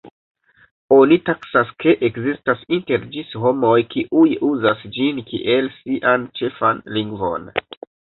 Oni taksas, ke ekzistas inter ĝis homoj, kiuj uzas ĝin kiel sian ĉefan lingvon.